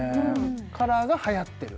カラーがはやってる